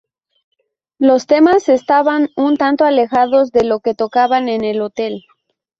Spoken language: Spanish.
Los temas estaban un tanto alejados de lo que tocaban en el hotel.